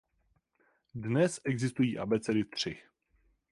Dnes existují abecedy tři.